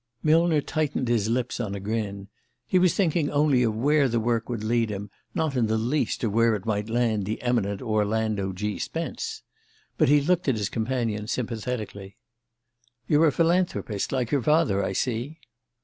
Millner tightened his lips on a grin. He was thinking only of where the work would lead him, not in the least of where it might land the eminent Orlando G. Spence. But he looked at his companion sympathetically. "You're a philanthropist like your father, I see?"